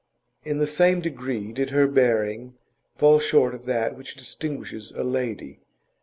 In the same degree did her bearing fall short of that which distinguishes a lady.